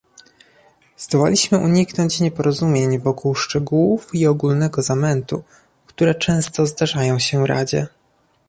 Zdołaliśmy uniknąć nieporozumień wokół szczegółów i ogólnego zamętu, które często zdarzają się Radzie